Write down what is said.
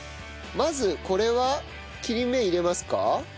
まずこれは切り目入れますか？